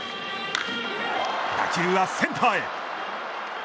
打球はセンターへ。